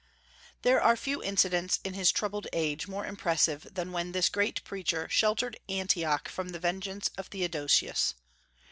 There are few incidents in his troubled age more impressive than when this great preacher sheltered Antioch from the vengeance of Theodosius.